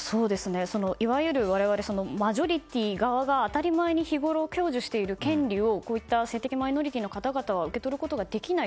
いわゆる我々マジョリティー側が当たり前に日ごろ享受している権利を性的マイノリティーの方々は受け取ることができない。